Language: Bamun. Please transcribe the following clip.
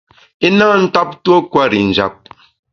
I na ntap tuo kwer i njap.